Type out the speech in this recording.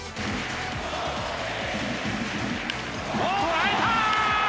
捉えたー！